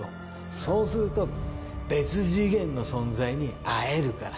そうすると別次元の存在に会えるから。